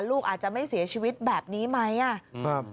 ลูกอาจจะไม่เสียชีวิตแบบนี้ไหม